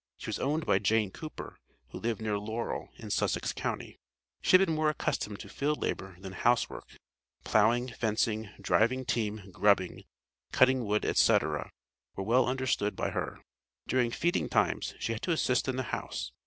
She was owned by Jane Cooper, who lived near Laurel, in Sussex county. She had been more accustomed to field labor than house work; ploughing, fencing, driving team, grubbing, cutting wood, etc., were well understood by her. During "feeding times" she had to assist in the house.